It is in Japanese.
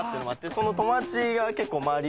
友達が結構周り